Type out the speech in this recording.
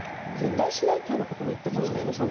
絶対しないということも言っていましたよね。